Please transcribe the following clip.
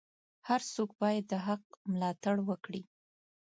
هر څوک باید د حق ملاتړ وکړي.